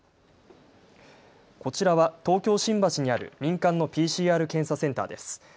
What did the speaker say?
こちらは東京新橋にある民間のＰＣＲ検査センターです。